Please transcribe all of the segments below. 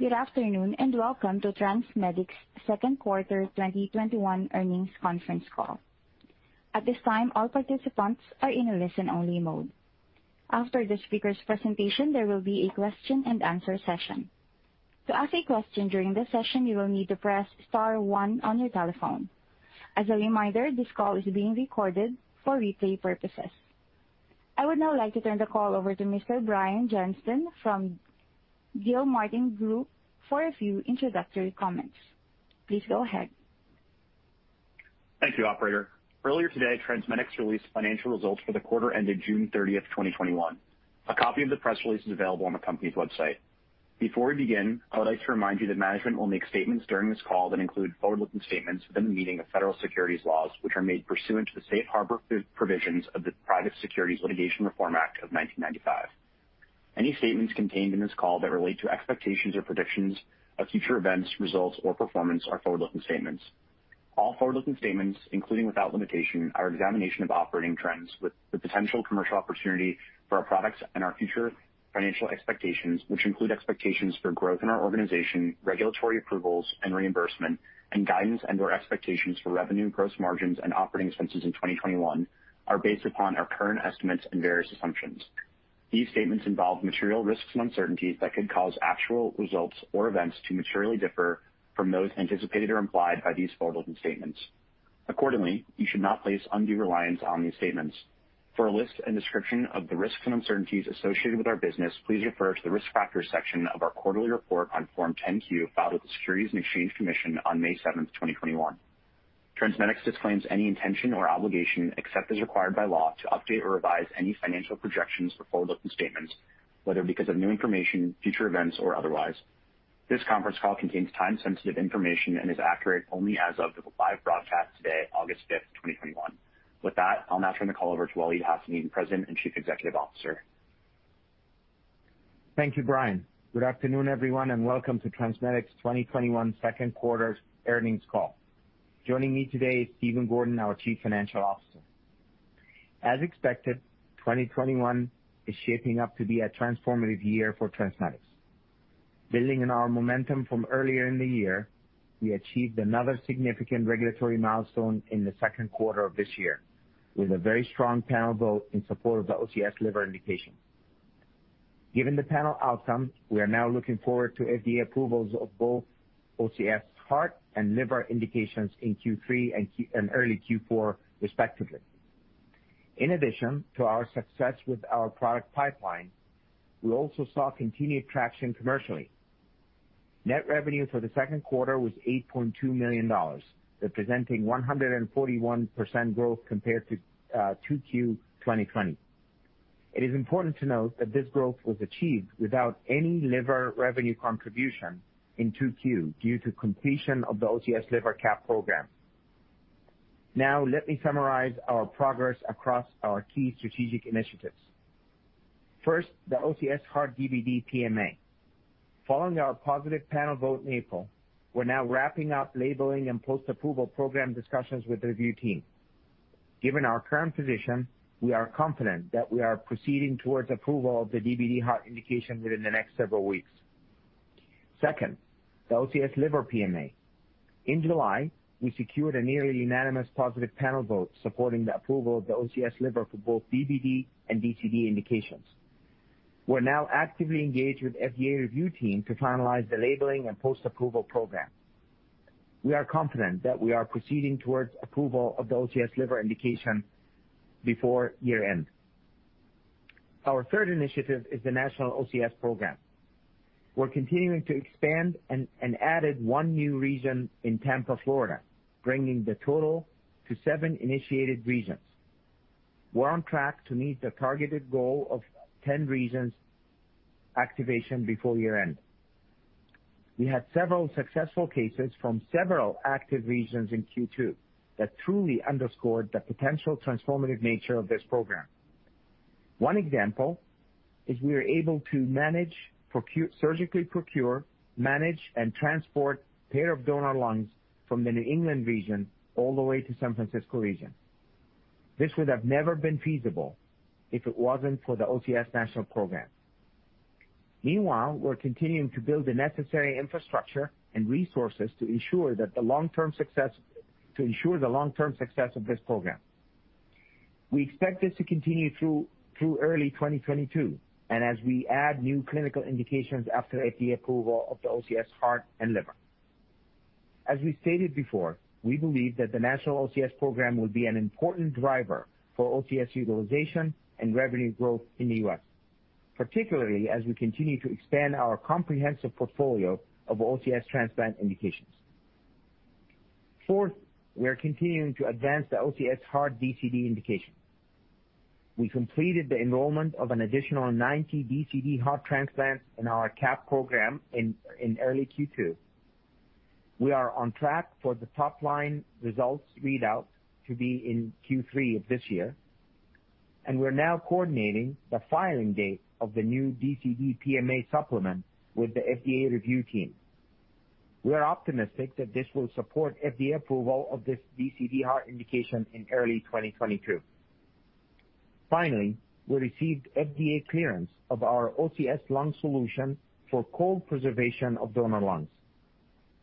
Good afternoon, and welcome to TransMedics' second quarter 2021 earnings conference call. At this time all the participants are in listen only mode. After the speakers' presentations, there will be a question and answer session. To ask a question during the session you'll need to press star one on your telephone. As a reminder, this call is being recorded for replay purposes. I would now like to turn the call over to Mr. Brian Johnston from Gilmartin Group for a few introductory comments. Please go ahead. Thank you, operator. Earlier today, TransMedics released financial results for the quarter ending June 30th, 2021. A copy of the press release is available on the company's website. Before we begin, I would like to remind you that management will make statements during this call that include forward-looking statements within the meaning of federal securities laws, which are made pursuant to the safe harbor provisions of the Private Securities Litigation Reform Act of 1995. Any statements contained in this call that relate to expectations or predictions of future events, results, or performance are forward-looking statements. All forward-looking statements, including, without limitation, our examination of operating trends with the potential commercial opportunity for our products and our future financial expectations, which include expectations for growth in our organization, regulatory approvals and reimbursement, and guidance and/or expectations for revenue, gross margins, and operating expenses in 2021 are based upon our current estimates and various assumptions. These statements involve material risks and uncertainties that could cause actual results or events to materially differ from those anticipated or implied by these forward-looking statements. Accordingly, you should not place undue reliance on these statements. For a list and description of the risks and uncertainties associated with our business, please refer to the Risk Factors section of our quarterly report on Form 10-Q filed with the Securities and Exchange Commission on May 7th, 2021. TransMedics disclaims any intention or obligation, except as required by law, to update or revise any financial projections or forward-looking statements, whether because of new information, future events, or otherwise. This conference call contains time-sensitive information and is accurate only as of the live broadcast today, August 5th, 2021. With that, I'll now turn the call over to Waleed Hassanein, President and Chief Executive Officer. Thank you, Brian. Good afternoon, everyone, and welcome to TransMedics' 2021 second quarter earnings call. Joining me today is Stephen Gordon, our Chief Financial Officer. As expected, 2021 is shaping up to be a transformative year for TransMedics. Building on our momentum from earlier in the year, we achieved another significant regulatory milestone in the second quarter of this year with a very strong panel vote in support of the OCS Liver indication. Given the panel outcome, we are now looking forward to FDA approvals of both OCS Heart and Liver indications in Q3 and early Q4, respectively. In addition to our success with our product pipeline, we also saw continued traction commercially. Net revenue for the second quarter was $8.2 million, representing 141% growth compared to 2Q 2020. It is important to note that this growth was achieved without any liver revenue contribution in 2Q due to completion of the OCS Liver CAP program. Let me summarize our progress across our key strategic initiatives. First, the OCS Heart DBD PMA. Following our positive panel vote in April, we're now wrapping up labeling and post-approval program discussions with the review team. Given our current position, we are confident that we are proceeding towards approval of the DBD heart indication within the next several weeks. Second, the OCS Liver PMA. In July, we secured a nearly unanimous positive panel vote supporting the approval of the OCS Liver for both DBD and DCD indications. We're now actively engaged with FDA review team to finalize the labeling and post-approval program. We are confident that we are proceeding towards approval of the OCS Liver indication before year-end. Our third initiative is the National OCS Program. We're continuing to expand and added one new region in Tampa, Florida, bringing the total to seven initiated regions. We're on track to meet the targeted goal of 10 regions activation before year-end. We had several successful cases from several active regions in Q2 that truly underscored the potential transformative nature of this program. One example is we were able to surgically procure, manage, and transport a pair of donor lungs from the New England region all the way to San Francisco region. This would have never been feasible if it wasn't for the National OCS Program. Meanwhile, we're continuing to build the necessary infrastructure and resources to ensure the long-term success of this program. We expect this to continue through early 2022 and as we add new clinical indications after FDA approval of the OCS Heart and Liver. As we stated before, we believe that the National OCS Program will be an important driver for OCS utilization and revenue growth in the U.S., particularly as we continue to expand our comprehensive portfolio of OCS transplant indications. Fourth, we are continuing to advance the OCS Heart DCD indication. We completed the enrollment of an additional 90 DCD heart transplants in our CAP program in early Q2. We are on track for the top-line results readout to be in Q3 of this year, and we're now coordinating the filing date of the new DCD PMA supplement with the FDA review team. We're optimistic that this will support FDA approval of this DCD heart indication in early 2022. Finally, we received FDA clearance of our OCS Lung Solution for cold preservation of donor lungs.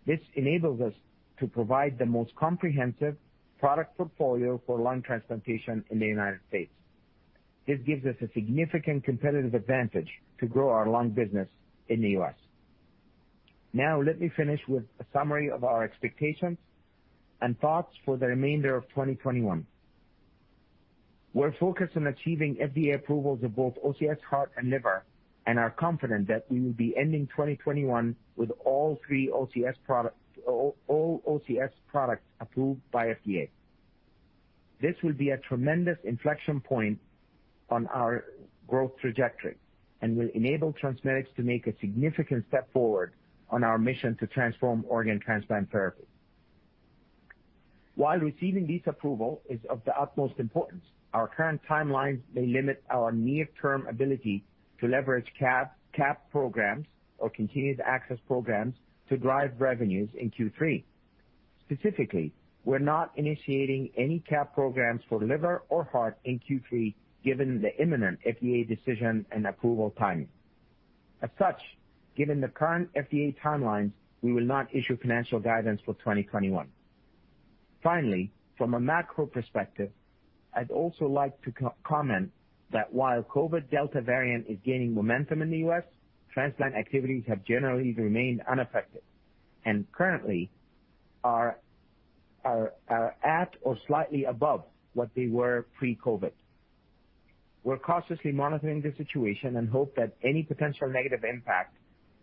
This enables us to provide the most comprehensive product portfolio for lung transplantation in the United States. This gives us a significant competitive advantage to grow our lung business in the U.S. Let me finish with a summary of our expectations and thoughts for the remainder of 2021. We're focused on achieving FDA approvals of both OCS Heart and OCS Liver and are confident that we will be ending 2021 with all OCS products approved by FDA. This will be a tremendous inflection point on our growth trajectory and will enable TransMedics to make a significant step forward on our mission to transform organ transplant therapy. While receiving these approvals is of the utmost importance, our current timelines may limit our near-term ability to leverage CAP programs or continuous access programs to drive revenues in Q3. Specifically, we're not initiating any CAP programs for Liver or Heart in Q3 given the imminent FDA decision and approval timing. As such, given the current FDA timelines, we will not issue financial guidance for 2021. Finally, from a macro perspective, I'd also like to comment that while COVID Delta variant is gaining momentum in the U.S., transplant activities have generally remained unaffected and currently are at or slightly above what they were pre-COVID. We're cautiously monitoring the situation and hope that any potential negative impact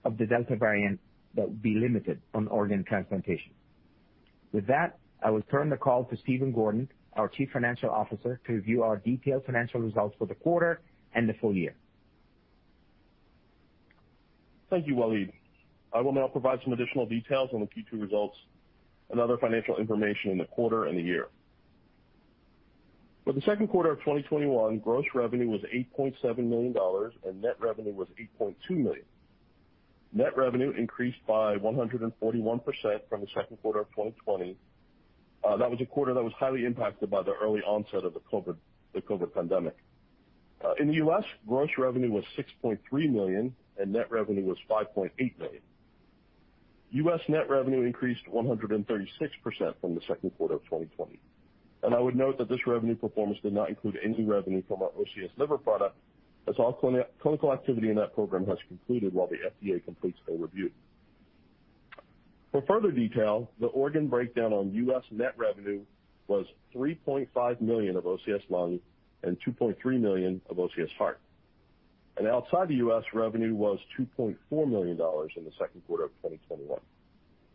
of the Delta variant will be limited on organ transplantation. With that, I will turn the call to Stephen Gordon, our Chief Financial Officer, to review our detailed financial results for the quarter and the full year. Thank you, Waleed. I will now provide some additional details on the Q2 results and other financial information in the quarter and the year. For the second quarter of 2021, gross revenue was $8.7 million and net revenue was $8.2 million. Net revenue increased by 141% from the second quarter of 2020. That was a quarter that was highly impacted by the early onset of the COVID pandemic. In the U.S., gross revenue was $6.3 million and net revenue was $5.8 million. U.S. net revenue increased 136% from the second quarter of 2020. I would note that this revenue performance did not include any revenue from our OCS Liver product, as all clinical activity in that program has concluded while the FDA completes their review. For further detail, the organ breakdown on U.S. net revenue was $3.5 million of OCS Lung and $2.3 million of OCS Heart. Outside the U.S., revenue was $2.4 million in the second quarter of 2021.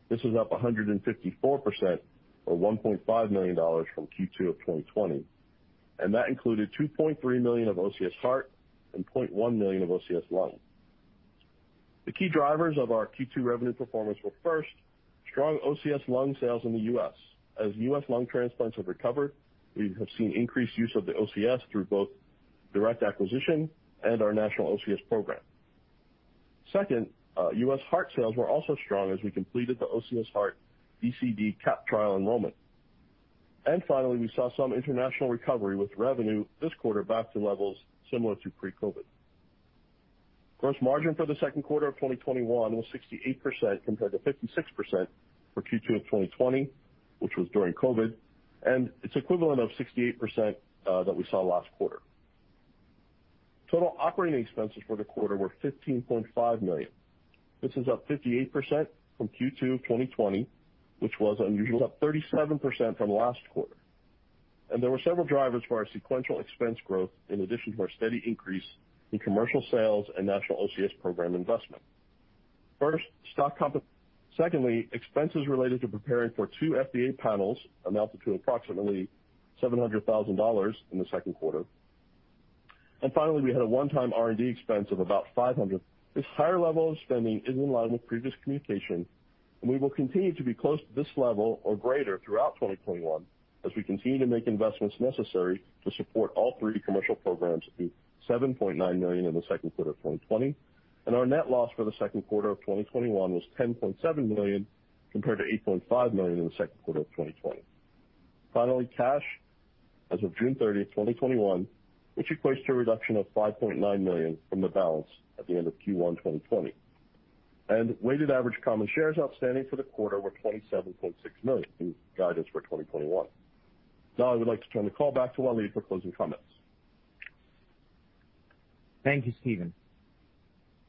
This is up 154% or $1.5 million from Q2 of 2020, and that included $2.3 million of OCS Heart and $0.1 million of OCS Lung. The key drivers of our Q2 revenue performance were, first, strong OCS Lung sales in the U.S. As U.S. lung transplants have recovered, we have seen increased use of the OCS through both direct acquisition and our National OCS Program. Second, U.S. Heart sales were also strong as we completed the OCS Heart DCD CAP trial enrollment. Finally, we saw some international recovery with revenue this quarter back to levels similar to pre-COVID. Gross margin for the second quarter of 2021 was 68% compared to 56% for Q2 of 2020, which was during COVID, and it's equivalent of 68% that we saw last quarter. Total operating expenses for the quarter were $15.5 million. This is up 58% from Q2 2020, which was unusual, up 37% from last quarter. There were several drivers for our sequential expense growth in addition to our steady increase in commercial sales and National OCS Program investment. First, stock comp. Secondly, expenses related to preparing for two FDA panels amounted to approximately $700,000 in the second quarter. Finally, we had a one-time R&D expense of about $500,000. This higher level of spending is in line with previous communication, and we will continue to be close to this level or greater throughout 2021 as we continue to make investments necessary to support all three commercial programs through $7.9 million in the second quarter of 2020. Our net loss for the second quarter of 2021 was $10.7 million, compared to $8.5 million in the second quarter of 2020. Finally, cash as of June 30th, 2021, which equates to a reduction of $5.9 million from the balance at the end of Q1 2020. Weighted average common shares outstanding for the quarter were 27.6 million in guidance for 2021. I would like to turn the call back to Waleed for closing comments. Thank you, Stephen.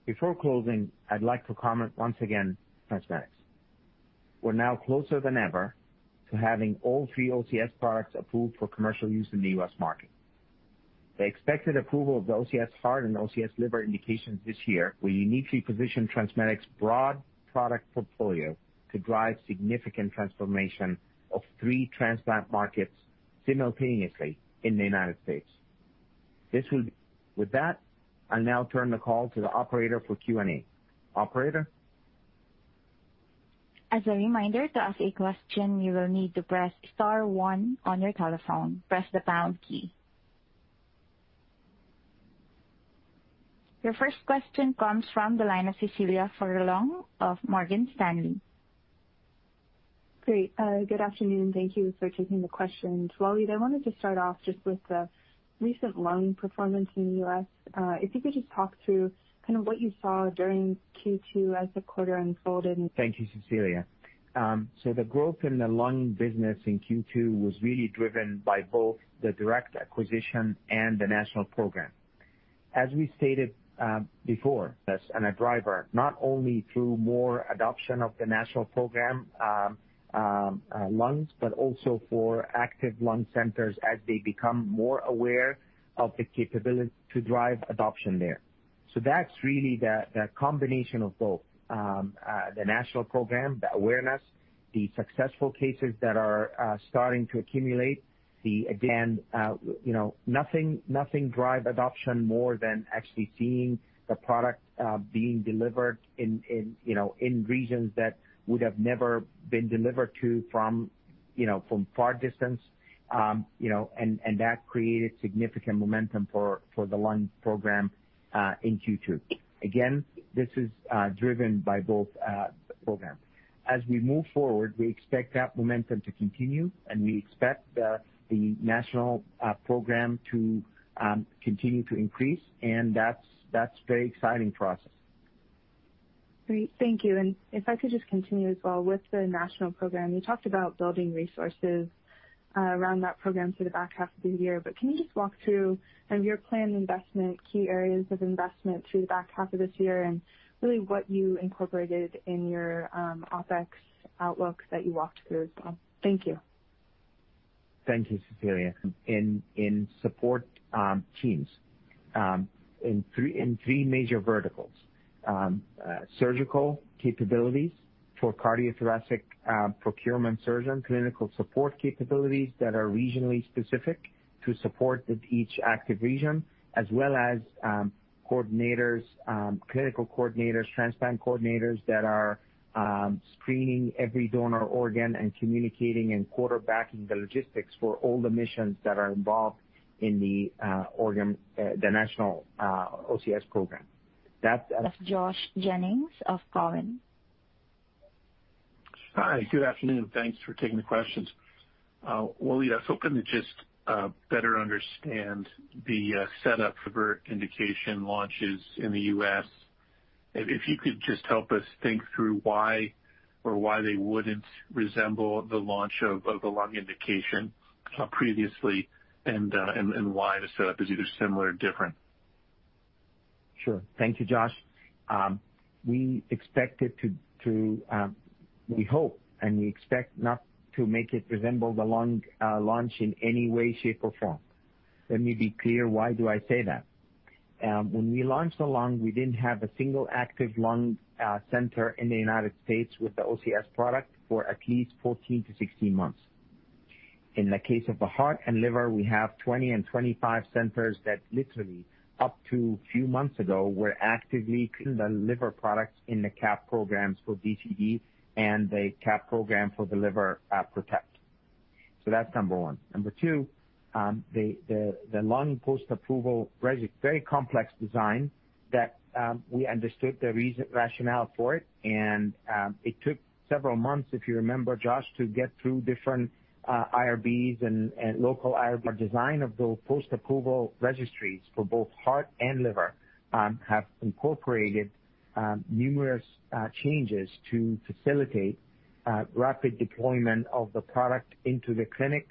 Before closing, I'd like to comment once again, TransMedics. We're now closer than ever to having all three OCS products approved for commercial use in the U.S. market. The expected approval of the OCS Heart and OCS Liver indications this year will uniquely position TransMedics' broad product portfolio to drive significant transformation of three transplant markets simultaneously in the United States. With that, I'll now turn the call to the operator for Q&A. Operator? As a reminder to ask a question you will need to press star on your telephone. Press the pound key. Your first question comes from the line of Cecilia Furlong of Morgan Stanley. Great. Good afternoon. Thank you for taking the questions. Waleed, I wanted to start off just with the recent lung performance in the U.S. If you could just talk through kind of what you saw during Q2 as the quarter unfolded. Thank you, Cecilia. The growth in the lung business in Q2 was really driven by both the direct acquisition and the National OCS Program. As we stated before, that's a driver, not only through more adoption of the National OCS Program lungs, but also for active lung centers as they become more aware of the capability to drive adoption there. That's really the combination of both. The National OCS Program, the awareness, the successful cases that are starting to accumulate. Again, nothing drives adoption more than actually seeing the product being delivered in regions that would have never been delivered to from far distance. That created significant momentum for the lung program in Q2. Again, this is driven by both programs. As we move forward, we expect that momentum to continue, and we expect the National OCS Program to continue to increase. That's very exciting for us. Great. Thank you. If I could just continue as well with the National Program. You talked about building resources around that program for the back half of the year, can you just walk through your planned investment, key areas of investment through the back half of this year, and really what you incorporated in your OpEx outlook that you walked through as well? Thank you. Thank you, Cecilia. In support teams. In three major verticals. Surgical capabilities for cardiothoracic procurement surgeon, clinical support capabilities that are regionally specific to support each active region, as well as coordinators, clinical coordinators, transplant coordinators that are screening every donor organ and communicating and quarterbacking the logistics for all the missions that are involved in the National OCS Program. That's Josh Jennings of Cowen. Hi, good afternoon. Thanks for taking the questions. Waleed, I was hoping to just better understand the setup for indication launches in the U.S. If you could just help us think through why or why they wouldn't resemble the launch of the lung indication previously and why the setup is either similar or different. Sure. Thank you, Josh. We hope and we expect not to make it resemble the lung launch in any way, shape, or form. Let me be clear, why do I say that? When we launched the lung, we didn't have a single active lung center in the U.S. with the OCS product for at least 14-16 months. In the case of the heart and liver, we have 20 and 25 centers that literally up to few months ago were actively the liver products in the CAP programs for DCD and the CAP program for the OCS Liver PROTECT. That's number one. Number two, the lung post-approval reg is very complex design that we understood the rationale for it. It took several months, if you remember, Josh, to get through different IRBs and local IRB. Our design of those post-approval registries for both OCS Heart and OCS Liver have incorporated numerous changes to facilitate rapid deployment of the product into the clinic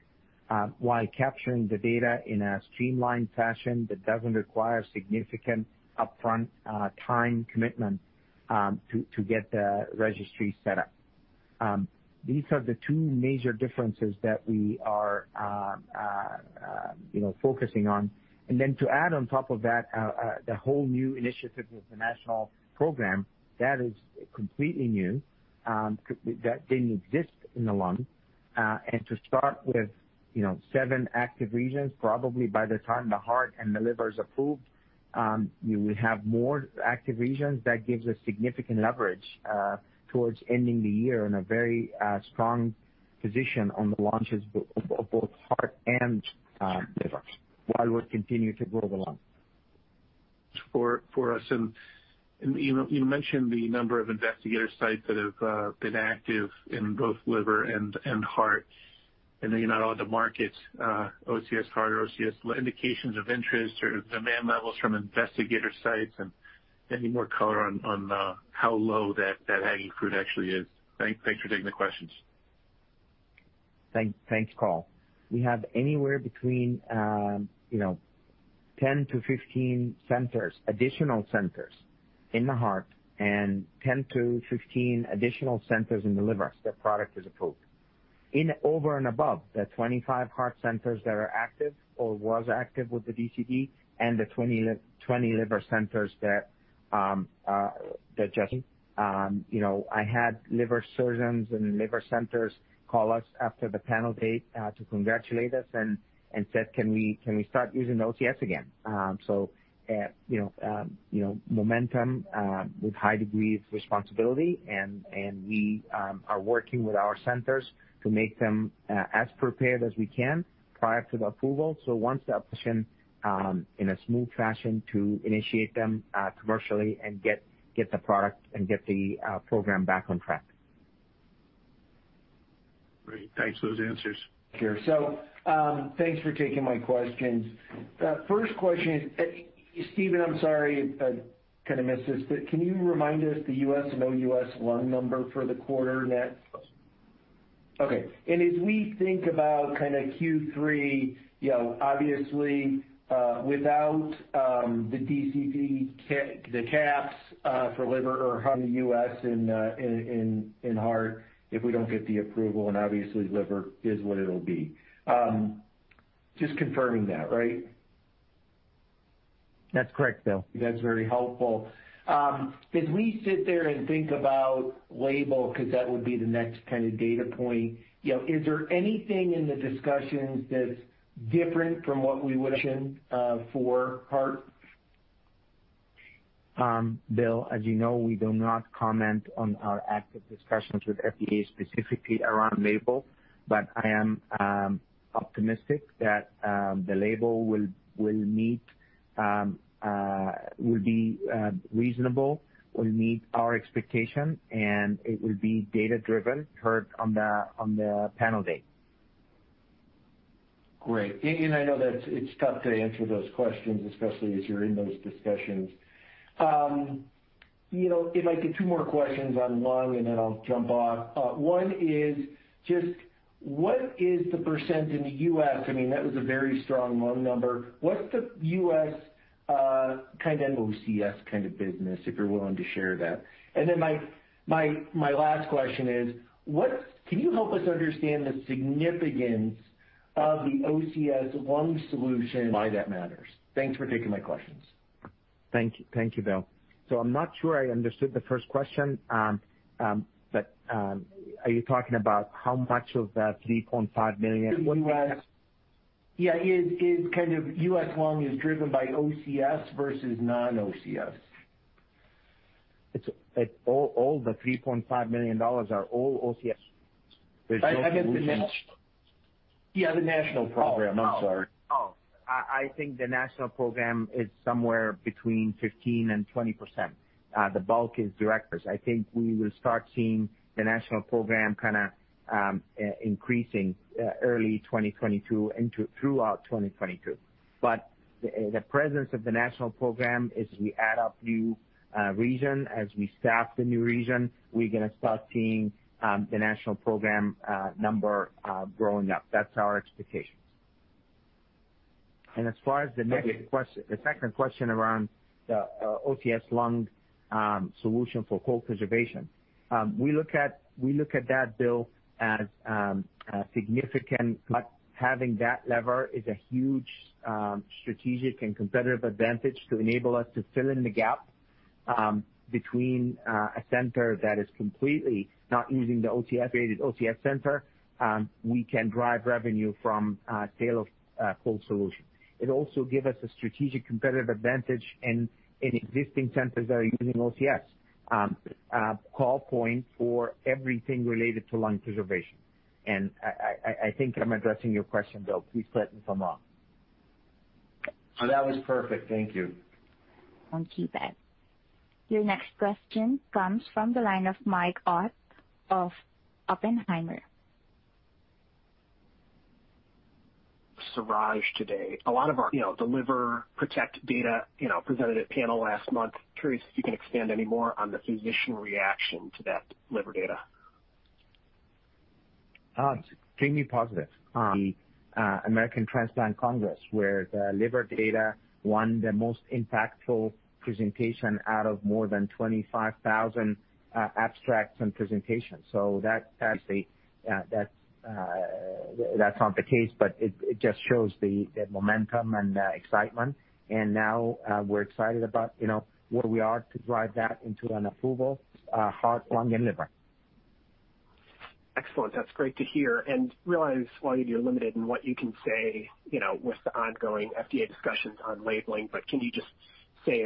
while capturing the data in a streamlined fashion that doesn't require significant upfront time commitment to get the registry set up. These are the two major differences that we are focusing on. To add on top of that, the whole new initiative with the National OCS Program, that is completely new. That didn't exist in the OCS Lung. To start with seven active regions, probably by the time the OCS Heart and the OCS Liver is approved, we have more active regions. That gives us significant leverage towards ending the year in a very strong position on the launches of both OCS Heart and OCS Liver, while we continue to grow the OCS Lung. You mentioned the number of investigator sites that have been active in both liver and heart, and then you're not on the market OCS Heart or OCS indications of interest or demand levels from investigator sites and any more color on how low that hanging fruit actually is. Thanks for taking the questions. Thanks, Carl. We have anywhere between 10-15 additional centers in the heart and 10-15 additional centers in the liver that product is approved. In over and above the 25 heart centers that are active or was active with the DCD and the 20 liver centers that Jesse, I had liver surgeons and liver centers call us after the panel date to congratulate us and said, "Can we start using OCS again?" Momentum with high degree of responsibility, and we are working with our centers to make them as prepared as we can prior to the approval. Once the application in a smooth fashion to initiate them commercially and get the product and get the program back on track. Great. Thanks for those answers. Sure. Thanks for taking my questions. First question. Stephen, I'm sorry, kind of missed this, but can you remind us the U.S. and OUS lung number for the quarter net? Okay. As we think about Q3, obviously, without the DCD, the CAPs for liver or on the U.S. and in heart, if we don't get the approval and obviously liver is what it'll be. Just confirming that, right? That's correct, Bill. That's very helpful. As we sit there and think about label, because that would be the next kind of data point, is there anything in the discussions that's different from what we would've seen for heart? Bill, as you know, we do not comment on our active discussions with FDA, specifically around label. I am optimistic that the label will be reasonable, will meet our expectation, and it will be data-driven heard on the panel date. Great. I know that it's tough to answer those questions, especially as you're in those discussions. If I could, two more questions on lung, and then I'll jump off. One is just what is the percent in the U.S.? That was a very strong lung number. What's the U.S. kind of OCS kind of business, if you're willing to share that? My last question is, can you help us understand the significance of the OCS Lung Solution and why that matters? Thanks for taking my questions. Thank you, Bill. I'm not sure I understood the first question. Are you talking about how much of that $3.5 million? In the U.S. Yeah. Is kind of U.S. lung is driven by OCS versus non-OCS. All the $3.5 million are all OCS. There's no solutions. Yeah, the National Program. I'm sorry. I think the National OCS Program is somewhere between 15%-20%. The bulk is DCDs. I think we will start seeing the National OCS Program increasing early 2022 and throughout 2022. The presence of the National OCS Program is we add up new region, as we staff the new region, we are going to start seeing the National OCS Program number growing up. That's our expectation. As far as the second question around the OCS Lung Solution for cold preservation. We look at that, Bill, as significant, having that lever is a huge strategic and competitive advantage to enable us to fill in the gap between a center that is completely not using the OCS. We can drive revenue from sale of cold solution. It also give us a strategic competitive advantage in existing centers that are using OCS. Call point for everything related to lung preservation. I think I'm addressing your question, Bill. Please correct me if I'm wrong. No, that was perfect. Thank you. Your next question comes from the line of Mike Ott of Oppenheimer. Suraj today. A lot of our OCS Liver PROTECT data presented at panel last month, curious if you can expand any more on the physician reaction to that liver data? Extremely positive. The American Transplant Congress, where the liver data won the most impactful presentation out of more than 25,000 abstracts and presentations. That obviously, that's not the case, but it just shows the momentum and the excitement. Now, we're excited about where we are to drive that into an approval, heart, lung, and liver. Excellent. That's great to hear. Realize, Waleed, you're limited in what you can say with the ongoing FDA discussions on labeling. Can you just say?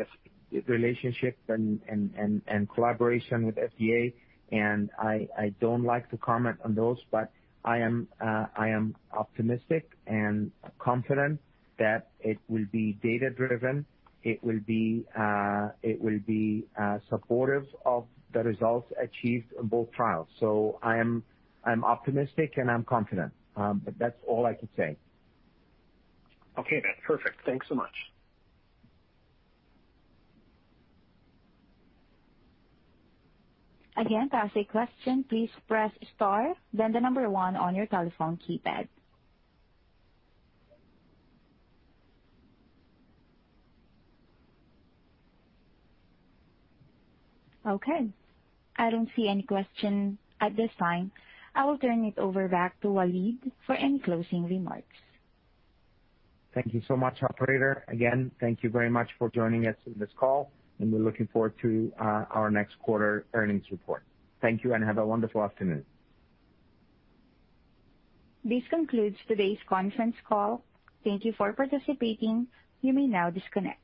Relationship and collaboration with FDA, and I don't like to comment on those, but I am optimistic and confident that it will be data-driven. It will be supportive of the results achieved in both trials. I'm optimistic and I'm confident. That's all I can say. Okay. Perfect. Thanks so much. Okay. I don't see any question at this time. I will turn it over back to Waleed for any closing remarks. Thank you so much, operator. Again, thank you very much for joining us in this call, and we're looking forward to our next quarter earnings report. Thank you, and have a wonderful afternoon. This concludes today's conference call. Thank you for participating. You may now disconnect.